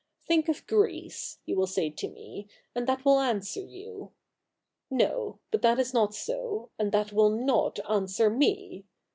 Think of Greece, you will say to me, and that will answer you. No — but that is not so, and that will not answer me.